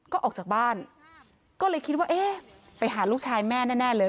ก็ออกจากบ้านก็เลยคิดว่าเอ๊ะไปหาลูกชายแม่แน่เลย